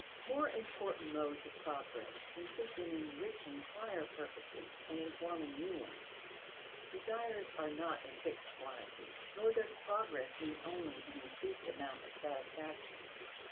More important modes of progress consist in enriching prior purposes and in forming new ones. Desires are not a fixed quantity, nor does progress mean only an increased amount of satisfaction.